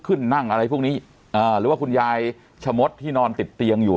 ขึ้นนั่งอะไรพวกนี้อ่าหรือว่าคุณยายชะมดที่นอนติดเตียงอยู่